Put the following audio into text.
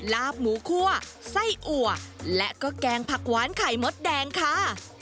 ลาบหมูคั่วไส้อัวและก็แกงผักหวานไข่มดแดงค่ะ